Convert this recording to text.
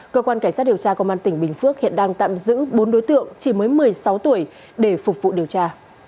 cơ quan cảnh sát điều tra công an tỉnh bình phước hiện đang tạm giữ bốn đối tượng chỉ mới một mươi sáu tuổi để phục vụ điều tra